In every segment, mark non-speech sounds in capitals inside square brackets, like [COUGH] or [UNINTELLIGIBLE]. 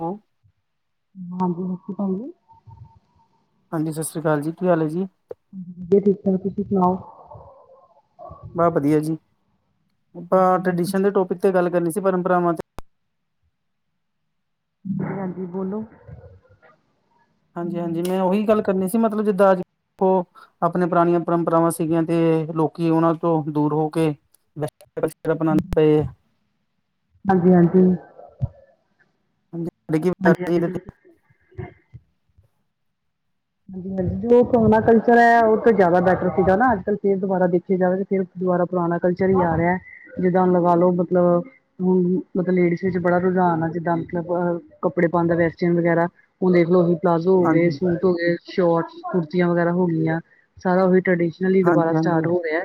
ਹੋਰ। ਹਾਂਜੀ, ਹਾਂਜੀ ਰੋਟੀ ਬਣ ਗਈ? ਹਾਂਜੀ, ਸਤਿ ਸ਼੍ਰੀ ਅਕਾਲ ਜੀ। ਕੀ ਹਾਲ ਏ, ਜੀ? ਜੀ ਠੀਕ-ਠਾਕ। ਤੁਸੀਂ ਸੁਣਾਓ? ਬਾ ਵਧੀਆ ਜੀ। ਅਪਾਂ ਟਰਡੀਸ਼ਨ ਦੇ ਟੋਪਿਕ ਤੇ ਗੱਲ ਕਰਨੀ ਸੀ ਪਰੰਪਰਾਵਾ ਤੇ। ਹਾਂਜੀ, ਬੋਲੋ। ਹਾਂਜੀ ਹਾਂਜੀ, ਮੈਂ ਓਹੀ ਗੱਲ ਕਰਨੀ ਸੀ ਮਤਲਬ ਜਿੱਦਾਂ ਅੱਜ ਉਹ। ਅਪਣੀਆਂ ਪੁਰਾਣੀਆਂ ਪਰੰਪਰਾਵਾਂ ਸੀਗੀਆਂ ਤੇ ਲੋਕੀ ਉਹਨਾਂ ਤੋਂ ਦੂਰ ਹੋ ਕੇ। [UNINTELLIGIBLE] ਬਣਾਦੇ ਪਏ ਆ। ਹਾਂਜੀ, ਹਾਂਜੀ। ਹਾਂਜੀ ਲੇਕਿਨ ਹਾਂਜੀ ਹਾਂਜੀ ਤਦ ਵੀ। ਬਿਲਕੁਲ ਹਾਂਜੀ ਹਾਂਜੀ, ਜੋ ਪੁਰਾਣਾ ਕਲਚਰ ਐ ਉਹ ਜਿਆਦਾ ਬੈਟਰ ਸੀਗਾ ਨਾ, ਅੱਜ-ਕੱਲ ਫੇਰ ਦੁਬਾਰਾ ਦੇਖ। ਵੇਖਿਆ ਜਾਵੇ ਤੇ ਫਿਰ ਦੁਬਾਰਾ ਪੁਰਾਣਾ ਕਲਚਰ ਹੀ ਆ ਰਿਹਾ, ਜਿੱਦਾਂ ਹੁਣ ਲਗਾ ਲੋ ਮਤਲਬ। ਹੁਣ ਮਤਲਬ ਲੇਡੀਜ਼ ਵਿੱਚ ਬੜਾ ਰੁਝਾਨ ਆ, ਜਿੱਦਾਂ ਮਤਲਬ ਕੱਪੜੇ ਪਾਣ ਦਾ ਵੈਸਟਰਨ ਵਗੈਰਾ। ਹੁਣ ਦੇਖ ਲੋ ਹੂ। ਪਲਾਜ਼ੋ ਹੋ ਗਏ, ਹਾਂਜੀ ਸੂਟ ਹੋ ਗੇ, ਸ਼ੋਰਟ ਕੁੁਰਤੀਆਂ ਵਗੈਰਾ ਹੋ ਗਈਆਂ ਸਾਰਾ ਓਹੀ ਟਰਡੀਸ਼ਨ। [INAUDIBLE] ਦੁਬਾਰਾ ਹਾਂਜੀ ਹਾਂਜੀ ਸਟਾਰਟ ਹੋ ਗਿਐ।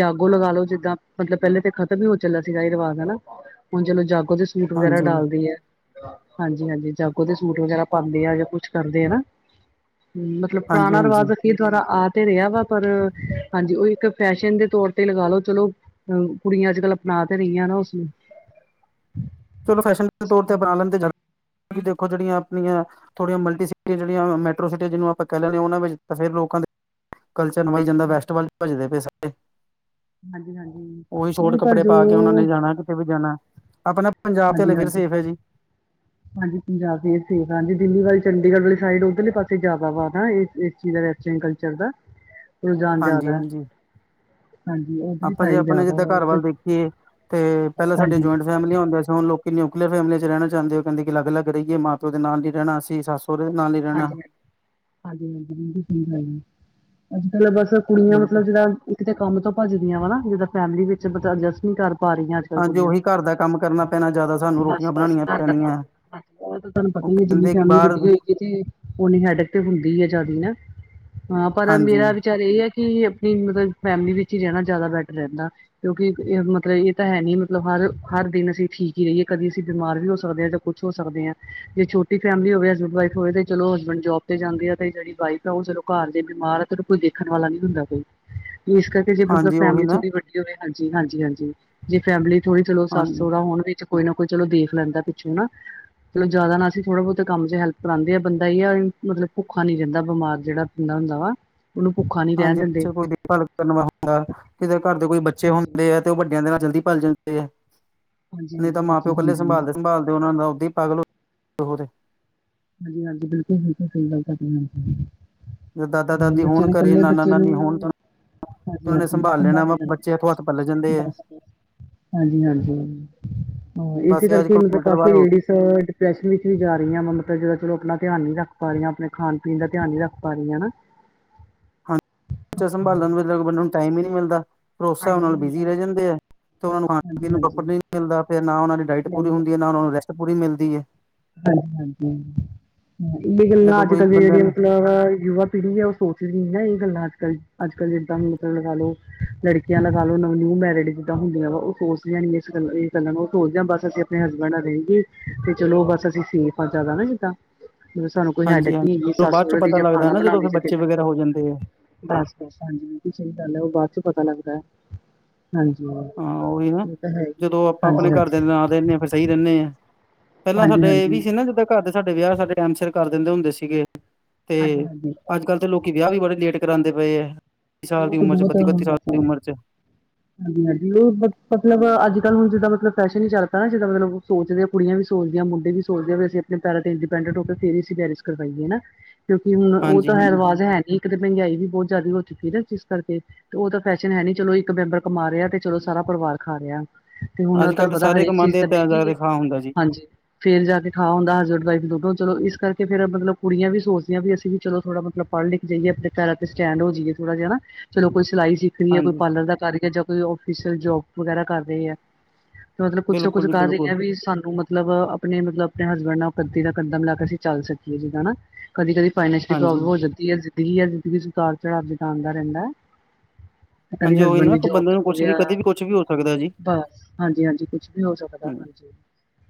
ਜਾਗੋ ਲਗਾ ਲੋ ਜਿੱਦਾਂ ਮਤਲਬ ਪਹਿਲੇ ਤੇ ਖ਼ਤਮ ਹੀ ਹੋ ਚੱਲਾ ਸੀਗਾ ਇਹ ਰਿਵਾਜ਼ ਹਨਾ। ਹੁਣ ਚਲੋ ਜਾਗੋ। ਸੂਟ ਵਗੈਰਾ ਹਾਂਜੀ ਡਾਲਦੀ ਹੈ ਹਾਂਜੀ, ਹਾਂਜੀ ਜਾਗੋ ਤੇ ਸੂਟ ਵਗੈਰਾ ਪਾਉਂਦੇ ਆ ਜਾਂ ਕੁਛ ਕਰਦੇ ਆ ਨਾ। ਹਾਂ ਮਤਲਬ ਹਾਂਜੀ ਪੁਰਾਣਾ ਹਾਂਜੀ ਰਿਵਾਜ਼ ਫੇਰ ਦੁਬਾਰਾ ਆ ਤੇ ਰਿਹਾ ਵਾ ਪਰ ਹਾਂਜੀ ਉਹ ਇੱਕ। ਫੈਸ਼ਨ ਦੇ ਤੌਰ ਤੇ ਲਗਾ ਲੋ ਚਲੋ ਅ ਕੁੜੀਆਂ ਅੱਜ ਕੱਲ੍ਹ ਅਪਣਾ ਤੇ ਰਹੀਆਂ ਨਾ ਉਸਨੂੰ। ਚਲੋ ਫੈਸ਼ਨੇਬਲ ਦੇ ਤੋਰ ਤੇ ਅਪਣਾ ਲੈਂਦੇ ਦੇਖੋ ਜਿਹੜੀਆਂ ਆਪਣੀਆਂ। ਥੋੜੀਆਂ ਮਲਟੀ ਸਿਟੀ ਜਿਹੜੀਆਂ ਮੈਟਰੋ ਸਿਟੀ ਜਿਹਨੂੰ ਆਪਾਂ ਕਹਿ ਲੈਂਦੇ ਉਹਨਾਂ ਵਿੱਚ ਫਿਰ ਲੋਕਾਂ ਦੇ। ਕਲਚਰ ਨਿਭਾਈ ਜਾਂਦਾ ਵੈਸਟ ਵਲ ਭੱਜਦੇ ਪੇ ਸਾਰੇ। ਹਾਂਜੀ ਹਾਂਜੀ ਉਹੀ ਸੂਟ ਨਹੀਂ ਪਰ ਕੱਪੜੇ ਜੋ ਪਾ ਕੇ ਉਹਨਾ ਨੇ ਜਾਣਾ ਕਿਤੇ ਵੀ ਜਾਣਾ। ਆਪਣਾ ਪੰਜਾਬ ਤੇ ਹਲੇ ਹਾਂਜੀ ਫਿਰ ਹਾਂਜੀ ਸੇਫ ਹੈ ਜੀ। ਹਾਂਜੀ, ਪੰਜਾਬ ਦੀ ਸੇਫ ਆ ਹਾਂਜੀ ਦਿੱਲੀ ਵਾਲੀ ਚੰਡੀਗੜ੍ਹ ਵਾਲੀ ਸਾਈਡ, ਉੱਧਰਲੇ ਪਾਸੇ ਜ਼ਿਆਦਾ ਵਾ ਇਸ ਚੀਜ਼ ਦਾ ਵੈਸ ਸਿੰਕ ਅੱਜ ਚਲਦਾ [UNINTELLIGIBLE] ਰੂਝਾਨ ਜਿਆਦਾ। ਹਾਂਜੀ-ਹਾਂਜੀ ਆਪਾਂ ਜੇ ਆਪਣੇ ਜ਼ਿਆਦਾ ਜਿੱਦਾਂ ਘਰ ਵਾ ਵੱਲ ਦੇਖੀਏ ਤੇ ਪਹਿਲਾ ਸਾਡੀ ਹਾਂਜੀ ਹਾਂਜੀ ਜੋਆਇੰਟ ਫੈਮਿਲੀ ਔਦੇ ਸੀ, ਹੁਣ ਲੋਕ ਕਿ ਯੂਕਲੀਅਰ ਫੈਮਲੀ ਚ ਰੈਣਾ ਚਾਦੇ ਓ ਕਹਿਦੀ ਕਿ ਲੱਗ-ਲੱਗ ਰਹੀਏ, ਮਾ-ਪਿਓ ਦੇ ਨਾਲ ਨੀ ਰੈਣਾ, ਅਸੀ, ਸੱਸ-ਸੋਹੁਰੇ ਦੇ ਨਾਲ ਨੀ ਰੈਣਾ। ਹਾਂਜੀ-ਹਾਂਜੀ ਬਿਲਕੁਲ ਸਹੀ ਗੱਲ, ਅੱਜ-ਕਲ ਬਸ ਕੁੜੀਆਂ ਬਿਲਕੁਲ ਮਤਲਬ ਜੇੜਾ ਕਿਤੇ ਕੰਮ ਤੋਂ ਭੱਜਦੀਆਂ ਵਾ ਨਾ, ਜਿੱਦਾਂ ਫੈਮਿਲੀ ਵਿੱਚ ਮਤੇ ਅਡਜਸਟ ਨੀ ਕਰ ਪਾ ਰਹੀਆਂ। ਅੱਜ ਕਲ ਹਾਂਜੀ ਕੁੜੀਆਂ ਉਹੀ ਘਰ ਦਾ ਕੰਮ ਕਰਨਾ ਪੈਣਾ ਜ਼ਿਆਦਾ ਸਾਨੂੰ ਰੋਟੀਆਂ ਬਸ-ਬਸ ਬਣਾਉਣੀਆਂ ਘਰ ਦਾ ਪੈਣੀਆਂ ਕੰਮ ਬਸ ਬੋਤ ਤੁਹਾਨੂੰ ਉਹ ਪਤਾ ਈ ਐ, ਜਿੰਨੀ ਕਹਿੰਦੇ ਕਿ ਫੈਮਿਲੀ ਬਾਹਰ ਵੱਡੀ ਹੋਈ ਇਤੀ ਓਨੀ ਹੈਡਕ ਤੇ ਹੁੰਦੀ ਏ ਜਿਆਦੀ ਨਾ। ਪਰ ਮੇਰਾ ਵਿ ਹਾਂਜੀ-ਹਾਂਜੀ ਚਰ ਏਹ ਹੈ ਕਿ ਅਆਪਣੀ ਮਤਲਬ ਫੈਮਿਲੀ ਵਿੱਚ ਹੀ ਰੈਣਾ ਜਿਆਦਾ ਬੈਟਰ ਰੈੰਦਾ। ਕਿਉਂਕਿ ਏਹ ਮਤਲਬ ਏਹ ਤਾਂ ਹੈ ਨੀ, ਮਤਲਬ ਹਰ ਹਰ ਦਿਨ ਅਸੀਂ ਠੀਕ ਹੀ ਰਹੀਏ, ਕਦੀ ਅਸੀਂ ਬਿਮਾਰ ਵੀ ਹੋ ਸਕਦੇ ਹਾਂ‌। ਕੁਛ ਹੋ ਸਕਦੇ ਆ, ਜੇ ਛੋਟੀ ਫੈਮਿਲੀ ਹੋਵੇ ਵ ਏ ਤੇ ਚਲੋ ਹਸਬੈਂਡ ਜੋਬ ਤੇ ਜਾਂਦੇ ਆ ਤੇ ਜਿਹੜੀ ਵਾਈਫ ਆ, ਉਹ ਚਲੋ ਘਰ ਜੇ ਬਿਮਾਰ ਆ ਤੇ ਕੋਈ ਦੇਖਣ ਵਾਲਾ ਨੀ ਹੁੰਦਾ ਕੋਈ। [UNINTELLIGIBLE] ਫੇਰ ਜੇ ਮਤਲਬ ਉਹੀ ਫੈਮਿਲੀ ਨਾ ਥੋੜੀ ਵੱਡੀ ਹੋਵੇ ਹਾਂਜੀ, ਹਾਂਜੀ, ਹਾਂਜੀ ਜੇ ਫੈਮਿਲੀ ਥੋੜੀ ਚਲੋ ਸੱਸ ਹਾਂਜੀ ਸੋਹਰਾ ਹੋਣ ਵਿੱਚ ਕੋਈ ਨਾ ਕੋਈ ਚਲੋ ਦੇਖ ਲੈਂਦਾ, ਪਿੱਛੋਂ ਨਾ ਚਲੋ ਜਿਆਦਾ ਨਾ ਅਸੀਂ ਥੋੜ੍ਹਾ ਬਹੁਤੇ ਕੰਮ ਚ ਹੈਲਪ ਕਰਾਂਦੇ ਆ ਬੰਦਾ ਏ ਆ ਮਤਲਬ ਭੁੱਖਾ ਨੀ ਰਹਿੰਦਾ। ਬਿਮਾਰ ਜਿਹੜਾ ਬੰਦਾ ਹੁੰਦਾ ਵਾ ਓਨੂੰ ਭੁੱਖਾ ਨਹੀਂ ਹਾਂਜੀ ਕੋਈ ਦੇਖਭਾਲ ਕਰਨ ਵਾਲਾ ਹੁੰਦਾ, ਕਿਤੇ ਘਰ ਦੇ ਕੋਈ ਬੱਚੇ ਹਾਂਜੀ, ਹੁੰਦੇ ਆ। ਤੇ ਉਹ ਵੱਡਿਆਂ ਦੇ ਨਾਲ ਜਲਦੀ ਪਲ ਜਾਂਦੇ ਆ। ਹਾਂਜੀ, ਨਈ ਤਾਂ ਹਾਂਜੀ ਮਾਂ ਪਿਓ ਬੱਚੇ ਇਕੱਲੇ ਹਾਂਜੀ। ਸੰਭਾਲਦੇ-ਸੰਭਾਲਦੇ ਉਨਾਂ ਤਾ ਉਦਾ ਹੀ ਪਾਗਲ ਹਾਂਜੀ-ਹਾਂਜੀ, ਬਿਲਕੁਲ-ਬਿਲਕੁਲ ਸਹੀ ਗੱਲ। ਜੇ ਦਾਦਾ ਹੂੰ, ਦਾਦੀ ਬੱਚੇ ਹੋਣ ਨੂੰ ਘਰੇ ਇਕੱਲੇ ਨਾਨਾ ਬੱਚੇ ਨੂੰ ਨਾਨੀ ਹੋਣ ਤਾਂ ਉਹਨਾਂ ਨੇ ਹਾਂਜੀ-ਹਾਂਜੀ ਸੰਭਾਲ ਲੈਣਾ ਬ ਵਾ ਬੱਚੇ ਹੱਥੋਂ ਹੱਥ ਪੱਲ ਜਾਂਦੇ ਆ ਹਾਂਜੀ-ਹਾਂਜੀ ਹਾਂ। ਇਸੇ ਬਸ ਇਹ ਅੱਜ ਕਰਕੇ ਕੱਲ ਮਤਲਬ ਉਲਟ ਰਿਵਾਜ ਕਾਫੀ ਹੋ ਗਏ ਲੇਡੀਜ ਡਿਪਰੈਸ਼ਨ ਵਿੱਚ ਵੀ ਜਾ ਰਹੀਆ ਮੈਮ ਆਪ ਜਦੋਂ ਚਲੋ ਆਪਣਾ ਧਿਆਨ ਨੀ ਰੱਖ ਪਾ ਰਹੀਆਂ, ਆਪਣੇ ਖਾਣ ਪੀਣ ਦਾ ਧਿਆਨ ਨੀ ਰੱਖ ਪਾ ਰਹੀਆਂ ਹਨਾ। ਹਾਂਜੀ, ਬੱਚਾ ਸੰਭਾਲਣ ਨੂੰ ਟਾਈਮ ਈ ਨੀ ਮਿਲਦਾ। ਫੇਰ ਓਸ ਟਾਈਮ ਹਿਸਾਬ ਨੀ ਨਾਲ ਮਿਲਦਾ। ਬਿਜ਼ੀ ਰਹਿ ਜਾਂਦੇ ਆ। ਤੇ ਉਹਨਾਂ ਨੂੰ ਖਾਣ ਹਾਂਜੀ ਪੀਣ ਨੂੰ ਪ੍ਰੋਪਰ ਹਾਂਜੀ, ਨਹੀਂ ਮਿਲਦਾ। ਫਿਰ ਨਾ ਉਹਨਾਂ ਦੀ ਡਾਇਟ ਪੂਰੀ ਨਹੀਂ ਹੁੰਦੀ ਹੈ ਨਾ, ਉਹਨਾਂ ਨੂੰ ਰੈਸਟ ਪੂਰੀ ਮਿਲਦੀ ਹੈ। ਹਾਂਜੀ-ਹਾਂਜੀ ਇਹ ਗੱਲਾਂ ਜਦੋਂ ਅੱਜ ਕੋਈ ਕੱਲ ਦੀ ਬੰਦੇ ਜਿਹੜੀਆਂ ਨੂੰ ਮਤਲਬ ਯੁਵਾ ਪੀੜ੍ਹੀ ਹੈ ਉਹ ਸੋਚਦੀ ਨੀ ਨਾ ਇਹ ਗੱਲਾਂ ਅੱਜਕਲ੍ਹ-ਅੱਜਕੱਲ੍ਹ ਜਿੱਦਾਂ ਨੂੰ ਮਤਲਬ ਲਗਾਲੋ। ਲੜਕੀਆਂ ਲਗਾ ਲੋ ਨਿਊ ਮੈਰਿਡ ਜਿੱਦਾਂ ਹੁੰਦੀਆਂ ਵਾ, ਉਹ ਸੋਚਦੀਆਂ ਨੀ ਏਸ ਗੱਲ ਗੱਲਾਂ ਨੂੰ ਉਹ ਸੋਚਦੇ ਬਸ ਅਸੀ ਹਸਬੈਂਡ ਨਾਲ ਰਹੀਏ, ਚਲੋ ਬਸ ਅਸੀਂ ਸੇਫ ਜ਼ਿਆਦਾ ਨਾ ਜਿੱਦਾਂ ਸਾਨੂੰ ਕੋਈ ਹਾਂਜੀ ਹੈਡਿੰਗ ਹਾਂਜੀ ਨੀ ਇੰਨੀ ਜਦੋਂ ਸੱਸ ਬਾਅਦ ਚ ਸਹੁਰੇ ਦੀ ਪਤਾ ਜਾਂ ਲੱਗਦਾ ਖਾਣਾ ਨਾ ਜਦੋਂ ਬਣਾਣਦੀ ਫਿਰ ਸੀ ਕਿ ਬੱਚੇ ਵਗੈਰਾ ਹੋ ਜਾਂਦੇ ਆ ਬਸ-ਬਸ ਹਾਂਜੀ ਏਹ ਵੀ ਸਹੀ ਗੱਲ ਐ, ਉਹ ਬਾਅਦ ਚ ਪਤਾ ਲੱਗਦਾ। ਹਾਂਜੀ। ਹਾਂ ਉਹੀ ਨਾ ਇਹ ਤਾਂ ਹੈ ਹੀ ਜਦੋਂ ਆਪਾਂ ਆਪਣੇ ਹਾਂਜੀ ਘਰਦਿਆਂ ਹਾਂਜੀ ਨਾਲ ਰਹਿਣੇ ਇ ਫਿਰ ਸਹੀ ਰਹਿਣੇ ਆ ਪਹਿਲਾਂ ਹਾਂਜੀ ਸਾਡੇ ਏ ਵੀ ਹਾਂਜੀ ਸੀ ਨਾ ਜਿੱਦਾਂ ਘਰ ਦੇ ਸਾਡੇ ਵਿਆਹ ਸਾਡੇ ਟਾਇਮ ਸਿਰ ਕਰ ਦਿੰਦੇ ਹੁੰਦੇ, ਸੀਗੇ ਹਾਂਜੀ ਤੇ ਹਾਂਜੀ ਅੱਜ ਅੱਜਕੱਲ੍ਹ ਤਾਂ ਲੋਕੀ ਵਿਆਹ ਵੀ ਬੜੇ ਲੇਟ ਕਰਾਂਦੇ ਪਏ ਐ, ਸਾਲ ਦੀ ਬਹੁਤ ਉਮਰ ਚ ਬੱਤੀ-ਬੱਤੀ ਸਾਲ ਦੀ ਬਹੁਤ ਉਮਰ ਚ। ਹਾਂਜੀ-ਹਾਂਜੀ, ਉਹ ਮਤਲਬ ਅੱਜਕੱਲ੍ਹ ਹੁਣ ਜਿੱਦਾਂ ਮਤਲਬ ਫੈਸ਼ਨ ਹੀ ਚਲ ਪਿਆ ਨਾ ਜਿੱਦਾਂ ਮਤਲਬ ਸੋਚਦੇ ਕੁੜੀਆਂ ਵੀ ਸੋਚਦੀਆਂ ਮੁੰਡੇ ਵੀ ਸੋਚਦੇ ਆ ਵੀ, ਅਸੀਂ ਆਪਣੇ ਪੈਰਾਂ ਤੇ ਇੰਡੀਪੈਂਡਟ ਹੋ ਕੇ ਫੇਰ ਅਸੀਂ ਮੈਰਿਜ ਕਰਵਾਈਏ ਨਾ। ਕਿਉਂਕਿ ਹੁਣ ਉਹ ਹਾਂਜੀ ਤਾਂ ਹੈ ਹਾਂਜੀ ਰਿਵਾਜ਼ ਹੈ ਨੀ ਕਿਤੇ ਮਹਿੰਗਾਈ ਵੀ ਬਹੁਤ ਜ਼ਿਆਦਾ ਹੋ ਚੁੱਕੀ ਹੈ। ਜਿਸ ਕਰਕੇ ਤੇ ਉਹ ਤਾਂ ਫੈਸ਼ਨ ਹੈ ਨੀ ਚਲੋ ਇੱਕ ਮੈਂਬਰ ਕਮਾ ਰਿਹਾ, ਤੇ ਚਲੋ ਸਾਰਾ ਪਰਿਵਾਰ ਖਾ ਰਿਹਾ। ਤੇ ਹੁਣ ਅੱਜ ਕੱਲ੍ਹ ਤੁਹਾਨੂੰ ਤਾਂ ਪਤਾ ਸਾਰੇ ਹਰੇਕ ਚੀਜ਼ ਕਮਾਉਂਦੇ ਤਾਂ ਜਾ ਮਹਿੰਗੀ ਐ, ਕੇ ਖਾ ਹੁੰਦਾ ਜੀ ਹਾਂਜੀ। ਫੇਰ ਜਾ ਕੇ ਖਾ ਹੁੰਦਾ। ਹਸਬੈਂਡ ਵਾਈਫ ਜਦੋ। ਚਲੋ ਇਸ ਕਰਕੇ ਫੇਰ ਮਤਲਬ ਕੁੜੀਆਂ ਵੀ ਸੋਚਦੀਆਂ ਵੀ ਅਸੀਂ ਵੀ ਚਲੋ ਥੋੜ੍ਹਾ, ਮਤਲਬ ਪੜ੍ਹ ਲਿਖ ਜਾਈਏ ਆਪਣੇ ਪੈਰਾਂ ਤੇ ਸਟੈਂਡ ਹੋ ਜਾਈਏ ਥੋੜਾ ਜਿਹਾ। ਚਲੋ ਕੋਈ ਸਿਲਾਈ ਫਰੀ ਹੈ। ਕੋਈ ਹਾਂਜੀ ਪਾਰਲਰ ਦਾ ਕਰ ਰਹੀ ਹੈ ਜਾਂ ਕੋਈ ਓਫੀਸ਼ਅਲ ਜੋਬ ਵਗੈਰਾ ਕਰ ਰਹੀ ਹੈ। ਮਤਲਬ ਕੁਛ-ਕੁਛ ਬਿਲਕੁਲ ਜੀ ਕਹਿ ਬਿਲਕੁਲ ਰਹੀਆਂ ਵੀ ਸਾਨੂੰ ਮਤਲਬ ਮਤਲਬ ਆਪਣੇ, ਮਤਲਬ ਆਪਣੇ ਹਸਬੈਂਡ ਨਾਲ ਕਦੇ ਦਾ ਕੱਦਾ ਮਿਲਾ ਕੇ ਅਸੀਂ ਚੱਲ ਸਕੀਏ ਹਨਾ। ਕਦੀ, ਕਦੀ ਫਾਇਨਸ਼ਅਲ ਪ੍ਰਬਲਮ ਹਾਂਜੀ ਹੋ ਜਾ ਜ਼ਿੰਦਗੀ ਆ। ਜ਼ਿੰਦਗੀ ਉਤਾਰ, ਚੜਾਵ ਜਿਦਾ ਆਉਂਦਾ ਰਹਿੰਦਾ ਹੈ। ਤੇ ਕਦੀ ਹਾਂਜੀ ਉਹੀ ਹਸਬੈਂਡ ਨਾ ਦੀ ਬੰਦੇ ਜੋਬ ਨੂੰ ਹੋ ਕੁਛ ਵੀ ਗਿਆ। ਕਦੇ ਵੀ ਕੁਛ ਵੀ ਹੋ ਸਕਦਾ ਜੀ ਬਸ ਹਾਂਜੀ, ਹਾਂਜੀ ਕੁਛ ਵੀ ਹੋ ਸਕਦਾ ਹਾਂਜੀ।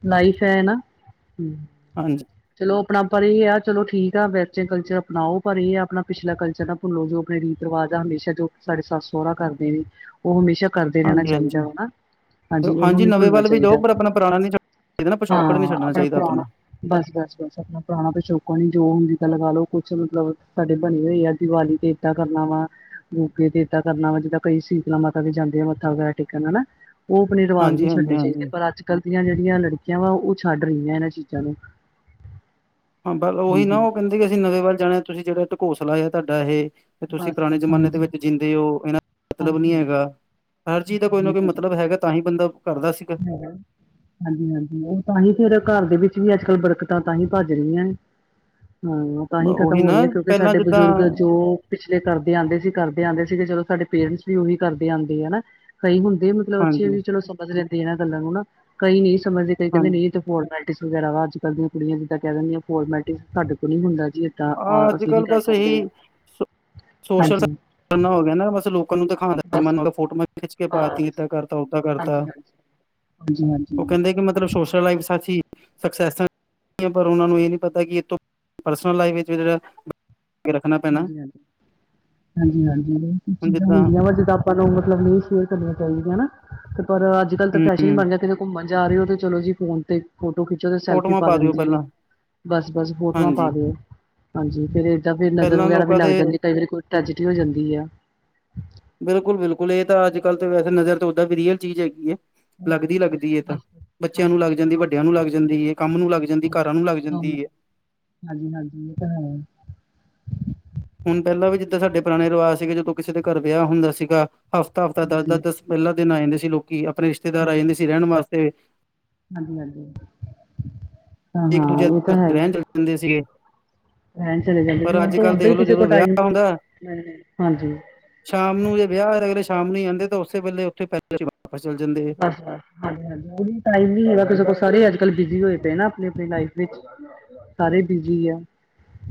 ਲਾਈਫ ਹੈ ਨਾ। ਹਾਂਜੀ। ਚਲੋ ਆਪਣਾ, ਪਰ ਹੀ ਆ ਚਲੋ ਠੀਕ ਆ। ਵੈਸੇ ਕਲਚਰ ਅਪਣਾਓ ਪਰ ਇਹ ਆ ਆਪਣਾ ਪਿਛਲਾ ਕਲਚਰ ਨਾ ਭੁੱਲੋ ਜੋ, ਆਪਣੇ ਰੀਤ-ਰਿਵਾਜ ਆ। ਹਮੇਸ਼ਾ ਜੋ ਸਾਡੇ ਸੱਸ ਸਹੁਰਾ ਕਰਦੇ ਨੇ। ਉਹ ਹਮੇਸ਼ਾ ਕਰਦੇ ਰਹਿਣਾ ਹਾਂਜੀ ਚਾਹੀਦਾ ਹਾਂਜੀ ਹਨਾ। ਹਾਂਜੀ। ਉਹਨੂੰ ਨਹੀਂ ਨਵੇਂ ਭੁੱਲਣਾ ਵੱਲ ਵੀ ਜਾਓ ਚਾਹੀਦਾ ਪਰ ਆਪਣਾ ਪੁਰਾਣਾ ਨੀ ਛੱਡਣਾ ਚਾਹੀਦਾ ਨਾ ਪਿਛੋਕੜ ਨੀ ਹਾਂ। ਛੱਡਣਾ ਆਪਣਾ ਚਾਹੀਦਾ ਪੁਰਾਣਾ ਬਸ- ਬਸ- ਬਸ। ਆਪਣਾ ਪੁਰਾਣਾ ਪਿਛੋਕਾਣ ਨੀ ਜੋ ਹੁੰਦੀ ਤਾਂ ਲਗਾ ਲਓ। ਕੁਛ ਮਤਲਬ ਸਾਡੇ ਬਣੀ ਹੋਏ ਆ ਦੀਵਾਲੀ ਤੇ ਏਦਾਂ ਕਰਨਾ ਵਾ। ਮੋਕੇ ਤੇ ਏਦਾਂ ਕਰਨਾ ਵਾ। ਜਿੱਦਾਂ ਕਈ ਸੀ। ਜਿਵੇ ਮਾਤਾ ਵੀ ਜਾਂਦੇ ਆ। ਮੱਥਾ ਵਗੈਰਾ ਟੇਕਣ ਹਨਾ। ਉਹ ਆਪਣੇ ਰਿਵਾਜ਼ ਹਾਂਜੀ ਨਹੀਂ ਹਾਂਜੀ ਛੱਡਣੇ ਹਾਂਜੀ ਚਾਹੀਦੇ, ਪਰ ਅੱਜ ਗਲਤੀਆ ਦੀਆਂ ਜਿਹੜੀਆਂ ਲੜਕੀਆਂ ਵਾ, ਉਹ ਛੱਡ ਰਹੀਆਂ ਇਹਨਾਂ ਚੀਜ਼ਾਂ ਨੂੰ। ਹਾਂ ਬਸ ਉਹੀ ਨਾ। ਹਾਂਜੀ ਉਹ ਕਹਿੰਦੇ ਕਿ ਅਸੀਂ ਨਵੇਂ ਵੱਲ ਜਾਣਾ। ਤੁਸੀਂ ਜਿਹੜਾ ਢਕੋਸਲਾ ਆ ਤੁਹਾਡਾ ਇਹ ਤੇ ਤੁਸੀਂ ਬਸ ਪੁਰਾਣੇ ਬਸ ਜਮਾਨੇ ਦੇ ਹਾਂਜੀ ਵਿੱਚ ਜਿੰਂਦੇ ਹੋ। ਇਹਨਾਂ ਦਾ ਮਤਲਬ ਨਹੀਂ ਹਾਂਜੀ-ਹਾਂਜੀ, ਹੈਗਾ। ਹਰ ਚੀਜ਼ ਦਾ ਕੋਈ ਨਾ ਕੋਈ ਮਤਲਬ ਹੈਗਾ। ਤਾਂ ਹੀ ਬੰਦਾ ਕਰਦਾ ਸੀ। ਹੈਲੋ। ਹਾਂਜੀ ਹਾਂਜੀ। ਉਹ ਤਾਂਹੀ ਫੇਰ ਘਰ ਦੇ ਵਿੱਚ ਵੀ ਅੱਜ ਕੱਲ੍ਹ ਬਰਕਤਾਂ ਤਾਂਹੀ ਭੱਜ ਰਹੀਆਂ ਨੇ। ਹਾਂ ਤਾਂ ਹੀ ਖਤਮ ਉਹੀ ਨਾ ਹੋਈ ਹੈ। ਕਿਉਂਕਿ ਪਹਿਲਾਂ ਸਾਡੇ ਜਿੱਦਾਂ ਬਜ਼ੁਰਗ ਜੋ ਪਿਛਲੇ ਕਰਦੇ ਆਉਂਦੇ ਸੀ ਕਰਦੇ ਆਉਂਦੇ ਸੀਗੇ। ਚਲੋ ਸਾਡੇ ਪੇਰੈਂਟਸ ਵੀ ਉਹੀ ਕਰਦੇ ਆਉਂਦੇ ਹੈ ਨਾ। ਕਈ ਹੁੰਦੇ ਚਲੋ ਅੱਛੇ ਹਾਂਜੀ ਵੀ, ਚਲੋ ਸਮਝ ਲੈਂਦੇ ਆ ਇਹਨਾਂ ਗੱਲਾਂ ਨੂੰ ਨਾ। ਕਈ ਨਹੀਂ ਸਮਝਦੇ ਕਈ ਕਹਿੰਦੇ ਹਾਂਜੀ ਨਹੀਂ ਫੋਰਮੈਲਟਿਸ ਵਗੈਰਾ ਵਾ। ਅੱਜ ਕਲ ਦੀਆਂ ਕੁੜੀਆਂ ਜਿੱਦਾਂ ਕਹਿ ਦਿੰਦੀਆਂ। ਫੋਰਮੈਲਟਿਸ ਸਾਡੇ ਤੋ ਨੀ ਹੁੰਦਾ ਜੀ ਇਹ। ਹਾਂ। ਅੱਜ ਕੱਲ੍ਹ ਬਸ ਇਹੀ ਸ-ਸੋਸ਼ਲ ਹਾਂਜੀ ਜਮਾਨਾ ਹੋ ਗਿਆ ਨਾ‌। ਬਸ ਲੋਕਾਂ ਨੂੰ ਦਿਖਾਨਾ ਬਸ। ਜਮਾਨਾ ਹੋ ਗਿਆ। ਫੋਟੋਆਂ ਖਿੱਚ ਕੇ ਪਾ ਦਿੱਤੀ ਬਸ ਏਦਾਂ ਕਰ ਉਹਦਾ ਕਰਤਾ। ਹਾਂਜੀ-ਹਾਂਜੀ, ਹਾਂਜੀ-ਹਾਂਜੀ, ਉਹ ਕਹਿੰਦੇ ਕਿ ਮਤਲਬ ਸੋਸ਼ਲ ਲਾਈਫ ਐਸੀ ਸਕਸੈਸ, ਪਰ ਉਹਨਾਂ ਨੂੰ ਇਹ ਨਹੀਂ ਪਤਾ ਕਿ ਏ ਤੋ ਸੋਸ਼ਲ ਲਾਈਫ ਵਿੱਚ ਵੀ ਜਰਾ। ਹਾਂਜੀ ਹਾਂਜੀ। ਹਾਂਜੀ ਹਾਂਜੀ। ਬਸ ਕੁਝ ਹੁਣ ਚੀਜ਼ਾਂ ਜਿੱਦਾਂ ਹੁੰਦੀਆਂ ਵਾ ਜਿੱਦ ਆਪਾਂ ਨੂੰ ਮਤਲਬ ਨਿਓ ਸ਼ੇਅਰ ਕਰਨੀਆਂ ਚਾਹੀਦੀਆਂ ਹਨ। ਤੇ ਪਰ ਅੱਜ ਕਲ ਤਾਂ ਫੈਸ਼ਨ ਹੀ ਹਮ ਬਣ ਜਾ ਘੁੰਮਣ ਜਾ ਰਹੇ ਹੋ ਤੇ ਚਲੋ ਜੀ। ਫੋਨ ਤੇ ਫੋਟੋ ਖਿੱਚੋ ਤੇ ਸੈਲਫੀ ਫੋਟੋਆਂ ਪਾ ਦਿਓ ਦਿੰਦੀ ਏ। ਪਹਿਲਾਂ ਬਸ ਬਸ। ਫੋਟੋਆਂ ਹਾਂਜੀ ਪਾ ਦਿਓ, ਹਾਂਜੀ ਫੇਰ ਏਦਾਂ ਫਿਰ ਨਜ਼ਰ ਪਹਿਲਾਂ ਵਗੈਰਾ ਵੀ ਲੋਕਾਂ ਲੱਗ ਦੇ ਜਾਂਦੀ। ਕਈ ਵਾਰੀ ਕੋਈ ਟ੍ਰੈਜਡੀ ਹੋ ਜਾਂਦੀ ਆ। ਬਿਲਕੁਲ ਬਿਲਕੁਲ। ਇਹ ਤਾਂ ਅੱਜ ਕੱਲ੍ਹ ਤਾਂ ਵੈਸੇ ਨਜ਼ਰ ਤਾਂ ਉਦਾਂ ਵੀ ਰੀਅਲ ਚੀਜ਼ ਹੈਗੀ ਹੈ। ਲੱਗਦੀ- ਲੱਗਦੀ ਏ ਤਾਂ। ਬਸ ਬੱਚਿਆਂ ਹਾਂਜੀ ਨੂੰ ਲੱਗ ਹਾਂਜੀ ਜਾਂਦੀ, ਬਿਲਕੁਲ ਵੱਡਿਆਂ ਨੂੰ ਸਹੀ। ਲੱਗ ਲੱਗ ਜਾਂਦੀ ਹੈ। ਕੰਮ ਨੂੰ ਲੱਗ ਜਾਂਦੀ, ਹਾਂਜੀ ਘਰਾਂ ਨੂੰ ਲੱਗ ਹਾਂ, ਜਾਂਦੀ ਏ ਹਾਂਜੀ ਹਾਂਜੀ ਇਹ ਤਾਂ ਹੈ। ਹੁਣ ਪਹਿਲਾਂ ਵੀ ਜਿੱਦਾਂ ਸਾਡੇ ਪੁਰਾਣੇ ਰਿਵਾਜ਼ ਸੀਗੇ। ਜਦੋਂ ਕਿਸੇ ਦੇ ਘਰ ਵਿਆਹ ਹੁੰਦਾ ਸੀਗਾ ਹਫ਼ਤਾ- ਹਫ਼ਤਾ ਹਾਂਜੀ ਦਸ ਦਸ ਸਹੀ ਦਸ ਪਹਿਲਾ ਦਿਨ ਆ ਜਾਂਦੇ ਸੀ ਲੋਕੀ, ਆਪਣੇ ਰਿਸ਼ਤੇਦਾਰ ਆ ਜਾਂਦੇ ਸੀ। ਰਹਿਣ ਵਾਸਤੇ ਹਾਂਜੀ ਹਾਂਜੀ। ਹਾਂ ਇੱਕ ਹਾਂ। ਦੂਜੇ ਓਹ ਦੇ ਤਾਂ ਹੈ ਹੀ। ਰਹਿਣ ਚਲੇ ਜਾਂਦੇ ਸੀਗੇ ਰਹਣ ਚਲੇ ਜਾਂਦੇ। ਪਰ ਹੁਣ ਅੱਜ ਤੇ ਕੱਲ੍ਹ ਉਂਝ ਤੇ ਦੇਖਲੋ ਕਿਸੇ ਜਦੋਂ ਕੋਲ ਟਾਈਮ ਵਿਆਹ ਨੀ ਹੁੰਦਾ ਹੈ ਹਾਂਜੀ। ਸ਼ਾਮ ਨੂੰ ਜੇ ਵਿਆਹ, ਅਗਲੇ ਸ਼ਾਮ ਨੂੰ ਹੀ ਆਉਂਦੇ, ਤਾਂ ਉਸੇ ਵੇਲੇ ਉੱਥੇ ਪੈਲਸ ਚੋ ਵਾਪਸ ਚਲੇ ਜਾਂਦੇ ਐ। ਹਾਂਜੀ ਹਾਂਜੀ। ਉਹ ਟਾਈਮ ਨੀ ਹੈਗਾ ਕਿਸੇ ਕੋਲ, ਸਾਰੇ ਅੱਜ ਕੱਲ ਬਿਜ਼ੀ ਹੋਏ ਪਏ ਨਾ, ਆਪਣੀ ਆਪਣੀ ਲਾਈਫ ਵਿੱਚ ਸਾਰੇ ਬਿਜੀ ਆ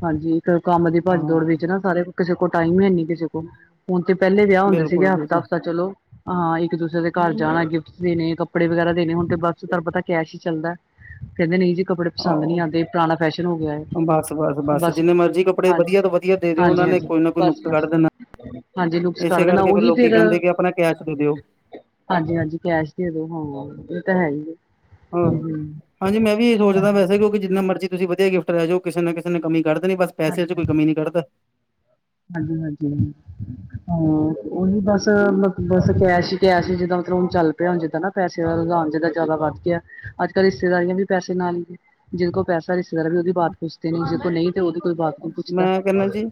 ਹਾਂਜੀ। ਕੰਮ ਦੀ ਹਾਂ ਭੱਜ ਦੌੜ ਵਿੱਚ ਨਾ। ਸਾਰੇ ਕਿਸੇ ਕੋਲ ਟਾਈਮ ਹੀ ਹੈਨੀ ਕਿਸੇ ਕੋਲ। ਹੁਣ ਤੇ ਪਹਿਲੇ ਵਿਆਹ ਹੁੰਦੇ ਸੀਗੇ। ਬਿਲਕੁਲ ਹਫ਼ਤਾ- ਬਿਲਕੁਲ ਹਫ਼ਤਾ ਚਲੋ। ਹਾਂ ਇੱਕ ਦੂਸੇ ਦੇ ਘਰ ਜਾਣਾ। ਗਿਫਟ ਦੇਣੇ ਕੱਪੜੇ ਵਗੈਰਾ ਦੇਣੇ ਹੁਣ ਬਸ ਤੁਹਾਨੂੰ ਪਤਾ ਕੈਸ਼ ਹੀ ਚੱਲਦਾ। ਕਹਿੰਦੇ ਨਹੀ ਜੀ ਕੱਪੜੇ ਪਸੰਦ ਨਹੀ ਆਹੋ ਆਉਂਦੇ ਪੁਰਾਣਾ ਫੈਸ਼ਨ ਹੋ ਗਿਆ ਐ ਬਸ, ਬਸ ਜਿੰਨੇ ਮਰਜ਼ੀ ਕੱਪੜੇ ਹਾਂਜੀ ਵਧੀਆ ਤੋਂ ਵਧੀਆ ਦੇ ਦਿਓ ਉਹਨਾਂ ਹਾਂਜੀ ਨੇ ਹਾਂਜੀ ਕੋਈ ਨਾ ਕੋਈ ਬਸ ਨੁਕਸ ਬਸ ਕੱਢ ਦੇਣਾ। ਹਾਂਜੀ ਨੁਕਸ ਕਰ ਇਸੇ ਦੇਣਾ ਕਰਕੇ ਫਿਰ ਉਹੀ ਲੋਕੀ ਫ਼ੇਰ ਕਹਿੰਦੇ ਕਿ ਆਪਣਾ ਕੈਸ਼ ਦੇ ਦਿਓ ਹਾਂਜੀ ਹਾਂਜੀ ਕੈਸ਼ ਦੇ ਦੋ ਹਾਂ ਇਹ ਤਾਂ ਹੈ ਹੀ ਏ। ਹਾਂ ਹਾਂਜੀ ਮੈਂ ਵੀ ਸੋਚਦਾ ਹਾਂਜੀ, ਵੈਸੇ ਕਿਉਂਕਿ ਜਿੰਨਾ ਮਰਜ਼ੀ ਤੁਸੀਂ ਵਧੀਆ ਗਿਫਟ ਲੇ ਜੋ ਕਿਸੇ ਨਾ ਕਿਸੇ ਨੇ ਕਮੀ ਕੱਡ ਦੇਨੀ ਬਸ। ਪੈਸੇ ਚ ਕੋਈ ਕਮੀ ਨੀ ਕੱਢਦਾ। ਹਾਂਜੀ ਹਾਂਜੀ। ਹਾਂ ਉਹਹੀ ਬਸ ਮਤਲਬ ਬਸ ਕੈਸ਼ ਹੀ ਕੈਸ਼ ਸੀ ਜਿੱਦਾਂ ਮਤਲਬ ਹੁਣ ਚੱਲ ਪਿਆ ਹੁਣ ਜਿੱਦਾਂ ਨਾ ਪੈਸੇ ਦਾ ਲਉਣ ਜਦਾ ਜ਼ਿਆਦਾ ਵੱਧ ਗਿਆ ਅੱਜ ਕੱਲ੍ਹ ਰਿਸ਼ਤੇਦਾਰੀਆਂ ਵੀ ਪੈਸੇ ਨਾਲ ਈ ਜੇ। ਜਿਹਦੇ ਕੋਲ ਪੈਸਾ ਰਿਸ਼ਤੇਦਾਰ ਵੀ ਉਹਦੀ ਬਾਤ ਪੁੱਛਦੇ ਨੇ ਜਿਹ ਕੋਲ ਨਹੀਂ ਤੇ ਉਹਦੀ ਕੋਈ ਬਾਤ ਨਹੀਂ ਪੁੱਛਦਾ। ਮੈਂ ਕਹਿੰਦਾ ਜੀ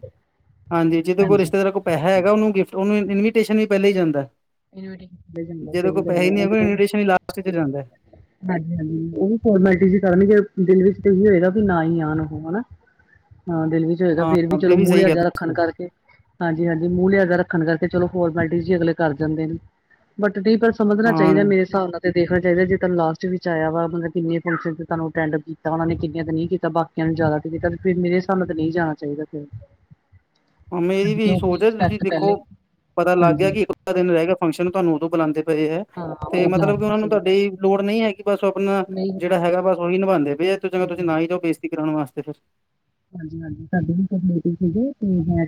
ਹਾਂਜੀ ਜਿਹਦੇ ਕੋਲ ਹਾਂਜੀ। ਰਿਸ਼ਤੇਦਾਰ ਕੋਲ ਪੈਸਾ ਹੈਗਾ ਉਹਨੂੰ ਗਿਫਟ ਇਨਵੀਟੇਸ਼ਨ ਵੀ ਪਹਿਲ਼ੇ ਹੀ ਜਾਂਦਾ। ਜਾਂਦਾ ਜਿਹਦੇ ਸਹੀ ਕੋਲ ਪੈਸੇ ਗੱਲ ਹੀ ਨਹੀਂ ਹੈ ਇਨਵੀਟੇਸ਼ਨ ਵੀ ਲਾਸਟ ਚ ਜਾਂਦਾ। ਹਾਂਜੀ ਹਾਂਜੀ ਉਹ ਵੀ ਫੋਰਮੈਲਿਟੀ ਜੀ ਕਰਨਗੇ ਦਿਲ ਵਿੱਚ ਤੇ ਇਹੀ ਹੋਏਗਾ ਵੀ ਨਾ ਹੀ ਆਣ ਉਹ ਹਨਾ। ਹਾਂ ਦਿਲ ਵਿੱਚ ਹੋਏਗਾ ਹਾਂ ਫੇਰ ਵੀ ਚਲੋ ਇਹ ਮੂੰਹ ਸਹੀ ਲਿਆਜ ਕਿਹਾ ਰੱਖਣ ਤੁਸੀਂ ਕਰਕੇ। ਹਾਂਜੀ ਹਾਂਜੀ ਮੂੰਹ ਲਿਆਜਾ ਰੱਖਣ ਕਰਕੇ ਚਲੋ ਫੋਰਮਲਟੀ ਜੀ ਅਲੇ ਕਰ ਜਾਂਦੇ ਨੇ ਬ ਸਮਝਣਾ ਚਾਹੀਦਾ ਹਾਂ। ਮੇਰੇ ਹਿਸਾਬ ਨਾਲ ਤੇ ਦੇਖਣਾ ਚਾਹੀਦਾ ਜੇ ਤਨੁ ਲਾਸਟ ਵਿੱਚ ਆਇਆ ਵਾ ਮਤਲਬ ਕਿੰਨੇ ਫੰਕਸ਼ਨ ਤੁਾਨੂੰ ਅਟੈਂਡ ਕੀਤਾ ਉਹ ਨੇ ਕਿੰਨੀਆਂ ਤੇ ਨਹੀਂ ਕੀਤਾ ਬਾਕੀ ਜ਼ਿਆਦਾ ਤੇ ਕੀਤਾ ਫਿਰ ਮੇਰੇ ਹਿਸਾਬ ਨਾਲ ਤੇ ਨਹੀਂ ਜਾਣਾ ਚਾਹੀਦਾ ਫਿਰ ਮੇਰੀ ਹਾਂਜੀ ਵੀ ਇਹੀ ਕਿਉਂਕਿ ਸੋਚ ਹੈ ਤੁਸੀਂ ਰਿਸਪੈਕਟ ਦੇਖੋ ਪਹਿਲੇ ਪਤਾ ਲੱਗ ਗਿਆ ਹਾਂਜੀ ਕਿ ਦਿਨ ਰਹਿ ਗਿਆ ਫੰਕਸ਼ਨ ਤੁਹਾਨੂੰ ਉਦੋਂ ਬੁਲਾਉਂਦੇ ਪਏ ਐ। ਹਾਂ ਤੇ ਉਦੋਂ ਮਤਲਬ ਕਿ ਬੁਲਾਣਾ ਉਹਨਾਂ ਨੂੰ ਸਹੀ ਗੱਲ ਤੁਹਾਡੀ ਲੋੜ ਨਹੀ ਹੈ ਕਿ ਬਸ ਆਪਣਾ ਨਹੀਂ ਜਿਹੜਾ ਹੈਗਾ ਬਸ ਉਹੀ ਨਿਭਉਂਦੇ ਭਏ ਤੁਸੀਂ ਨਾ ਹਾਂਜੀ-ਹਾਂਜੀ। ਜਾਓ ਬੇਸ਼ਤੀ ਕਰਉਣ ਵਾਸਤੇ ਫਿਰ। ਹਾਂਜੀ ਹਾਂਜੀ ਸਾਡੇ ਵੀ ਸੀਗੇ ਤੇ ਮੈਂ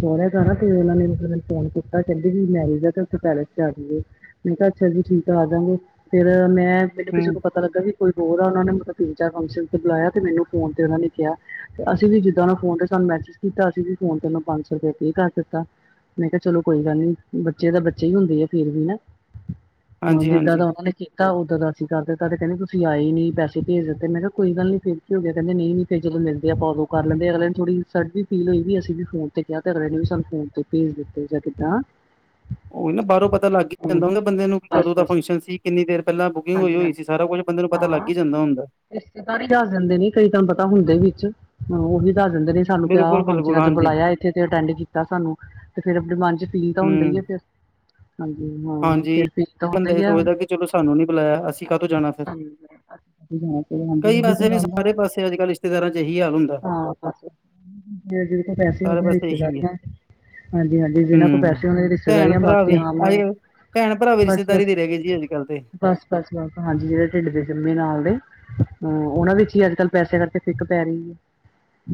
ਸੋਆ ਸਾਰਾ ਤੇ ਉਹਨਾਂ ਨੇ ਮ ਫੋਨ ਕੀਤਾ। ਤਾਂ ਕਹਿੰਦੇ ਵੀ ਮੈਰਿਜ ਆ ਤੇ ਉੱਥੇ ਪੈਲਸ ਚ ਆਈਏ। ਮੈਂ ਕਿਹਾ ਅੱਛਾ ਜੀ ਠੀਕ ਆ ਆ ਜਾਂਗੇ ਫੇਰ ਮੈਂ ਮੈਨੂੰ ਕਿਸੇ ਹੂੰ, ਕੋ ਪਤਾ ਲੱਗਾ ਵੀ ਕੋਈ ਬਹੁਤ ਆ ਉਹਨਾਂ ਨੇ ਮਲ ਤਿੰਨ ਚਾਰ ਫੰਕਸ਼ਨ ਤੇ ਬੁਲਾਇਆ ਤੇ ਮੈਨੂੰ ਫੋਨ ਤੇ ਉਹਨਾਂ ਨੇ ਕਿਹਾ। ਤੇ ਅਸੀਂ ਵੀ ਜਿੱਦਾਂ ਉਹ ਫੋਨ ਤੇ ਸਾਨੂੰ ਮੈਸੇਜ ਕੀਤਾ ਅਸੀਂ ਵੀ ਫੋਨ ਤੇ ਉਹਨੂੰ ਪੰਜ ਸੌ ਰੁਪਏ ਪੇ ਕਰ ਦਿੱਤਾ। ਮੈਂ ਕਿਹਾ ਚਲੋ ਕੋਈ ਗੱਲ ਨੀ ਬੱਚੇ ਤਾਂ ਬੱਚੇ ਹੀ ਹੁੰਦੇ ਆ ਫੇਰ ਵੀ ਨਾ ਹੁਣ ਹਾਂਜੀ ਜਿੱਦਾਂ ਦਾ ਹਾਂਜੀ ਓਹਨੇ ਤਾਂ ਓਦਰ ਦਾ ਅਸੀ ਕਰ ਦਿੱਤਾ ਤੇ ਕਹਿੰਦੇ ਤੁਸੀਂ ਆਏ ਨੀ ਪੈਸੇ ਭੇਜ ਦਿੱਤੇ ਮੈਂ ਕਿਹਾ ਕੋਈ ਗੱਲ ਨੀ ਫਿਰ ਹੋ ਗਿਆ ਕੀ ਨਹੀਂ ਜਦੋਂ ਮਿਲਦੇ ਆ ਆਪਾਂ ਉਦੋਂ ਕਰ ਲੈਂਦੇ ਅਗਲੇ ਨੇ ਥੋੜੀ ਇੰਸੂਲਤ ਵੀ ਫੀਲ ਹੋਈ ਵੀ ਅਸੀਂ ਵੀ ਫੋਨ ਤੇ ਕਿਹਾ ਤੇ ਅਗਲੇ ਨੇ ਵੀ ਸਾਨੂੰ ਫੋਨ ਤੇ ਪੀਸ ਦਿਤੇ ਜਾ ਕਿਦਾ [UNINTELLIGIBLE] ਹ। [UNINTELLIGIBLE] ਉਹੀ ਨਾ ਬਾਹਰੋਂ ਪਤਾ ਲੱਗ ਹੀ ਹੂੰ ਜਾਂਦਾ ਉਹਦੇ ਬੰਦੇ ਨੂੰ ਵੀ ਬਸ ਕਦੋਂ ਦਾ ਬਸ ਫੰਕਸ਼ਨ ਸੀ ਕਿੰਨੀ ਦੇਰ ਪਹਿਲਾਂ ਬੁਕਿੰਗ ਹੋਈ ਹਾਂਜੀ ਹੋਈ ਸੀ ਸਾਰਾ ਕੁਜ ਬੰਦੇ ਨੂੰ ਪਤਾ ਲੱਗ ਹੀ ਜਾਂਦਾ ਹੁੰਦਾ। ਰਿਸ਼ਤੇਦਾਰ ਹੀ ਦੱਸ ਦਦੇ ਨੇ ਕਈ ਤੁਹਾਨੂੰ ਪਤਾ ਹੁੰਦੇ ਵੀ ਵਿੱਚ ਹ ਉਹੀ ਦੱਸ ਦਿੰਦੇ ਨੇ ਸਾਨੂੰ ਕਿਆ ਬਿਲਕੁਲ ਬਿਲਕੁਲ ਫੰਕਸ਼ਨਾਂ ਚ ਹਾਂਜੀ ਬੁਲਾਇਆ ਇੱਥੇ ਤੇ ਅਟੈਂਡ ਕੀਤਾ ਸਾਨੂੰ ਤੇ ਫੇਰ ਆਪਣੇ ਮਨ ਚ ਫੀਲ ਤਾਂ ਹੁੰਦਾ ਈ ਏ ਹਮ ਫਿਰ ਹਾਂਜੀ ਹਾਂ ਹਾਂਜੀ ਫਿਰ ਫੀਲ ਤਾਂ ਹੁੰਦਾ ਬੰਦਾ ਹੀ ਇਹ ਆ ਸੋਚਦਾ ਕਿ ਚਲੋ ਸਾਨੂੰ ਨਹੀਂ ਬੁਲਾਇਆ ਅਸੀਂ ਕਦੋ ਜਾਣਾ ਫਿਰ ਸਾਨੂੰ ਜਾਣਾ ਚਾਹੀਦਾ ਹਾਂਜੀ ਕਈ ਉਹੀ ਤੇ ਪਾਸੇ ਨੇ ਸਾਰੇ ਪਾਸੇ ਅੱਜ ਕੱਲ੍ਹ ਰਿਸ਼ਤੇਦਾਰਾਂ ਚ ਇਹੀ ਹਾਲ ਹੋਏ। ਆਹੋ ਬਾੱਸ, ਜਿਦੇ ਕੋਲ ਪੈਸੇ ਸਾਰੇ ਹੋਗੇ ਪਾਸੇ ਇਹੀ ਹੈ ਰਿਸ਼ਤੇਦਾਰੀਆਂ। ਹਾਂਜੀ-ਹਾਂਜੀ ਜਿਨਾਂ ਕੋਲ ਹੂੰ, ਪੈਸੇ ਓਨਾ ਦੀ ਭੈਣ ਰਿਸ਼ਤੇਦਾਰੀਆ ਭਰਾ ਬਾਕੀ ਵੀ ਅੱਜ ਆਮ- ਭੈਣ ਭਰਾ ਵੀ ਬਸ ਰਿਸ਼ਤੇਦਾਰੀ ਬਸ ਨੀ ਰੈਅ ਗਈ ਅੱਜ ਕੱਲ ਤੇ। ਬਸ ਬਸ ਬਸ ਹਾਂਜੀ ਜਿਹੜੇ ਢਿੱਡ ਦੇ ਜੰਮੇ ਨਾਲ ਦੇ ਨਾਲ ਦੇ ਉਹਨਾਂ ਵਿੱਚ ਹੀ ਅੱਜ ਕੱਲ ਪੈਸੇ ਦਾ ਤੇ ਸਿੱਖ ਪੈ ਰਹੀ ਹੈ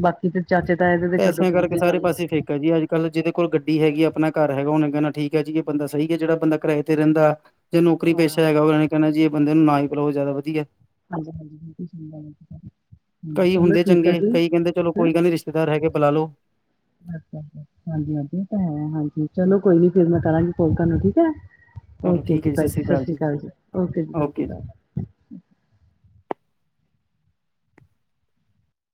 ਬਾਕੀ ਤੇ ਚਾਚੇ ਤਾਏ ਇਹਦੇ ਤੇ ਛੱਡੋ ਦੂਰ ਦੀ ਗੱਲ ਹੈ। ਭੈਂਜੀ ਅੱਜ ਕੱਲ੍ਹ ਜਿਹਦੇ ਕੋਲ ਗੱਡੀ ਹੈਗੀ ਆਪਣਾ ਘਰ ਹੈਗਾ ਉਨੇ ਨਾ ਠੀਕ ਹੈ ਜੀ ਏ ਬਦਾ ਸਹੀ ਹੈ ਜਿਹੜਾ ਬੰਦਾ ਕਿਰਾਏ ਤੇ ਰਹਿੰਦਾ ਜੇ ਨੌਕਰੀ ਹਾਂ ਪੇਸ਼ਾ ਹੈਗਾ ਉਹਨਾਂ ਨੇ ਕਹਣਾ ਜ ਇਹ ਬੰਦੇ ਨੂੰ ਨਾ ਹੀ ਬੁਲਾਓ ਜ਼ਿਆਦਾ ਵਧੀਆ। ਹਾਂਜੀ ਹਾਂਜੀਿਲ [UNINTELLIGIBLE] ਕਈ ਹੁੰਦੇ ਚੰਗੇ ਕਈ ਕਹਿੰਦੇ ਚਲੋ ਕੋਈ ਗੱਲ ਨੀ ਰਿਸ਼ਤੇਦਾਰ ਹੈਗੇ ਬੁਲਾ ਲੋ। ਅ ਹਾਂਜੀ- ਹਾਂਜੀ ਹੈ ਹਾਂਜੀ ਚਲੋ ਕੋਈ ਨੀ ਫੇਰ ਮੈ ਕਰਾਂਗੀ ਫੋਨ ਤੁਹਾਨੂੰ ਠੀਕ ਹੈ। ਓਕੇ ਜੀ ਭਾਈ ਜੀ ਸਤਿ ਸ਼੍ਰੀ ਅਕਾਲ ਜੀ ਓਕੇ ਜੀ ਸਤਸ਼੍ਰੀਅਕਾਲ।